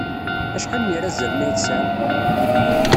Acḥal n yirazalen ay tesɛam?